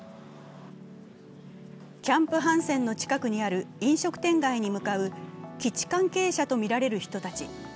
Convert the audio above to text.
キャンプ・ハンセンの近くにある飲食店街に向かう基地関係者とみられる人たち。